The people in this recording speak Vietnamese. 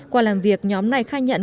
qua làm việc nhóm này khai nhận